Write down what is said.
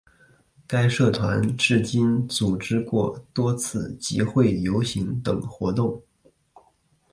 该社团至今组织过多次集会游行等活动。